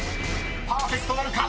［パーフェクトなるか⁉］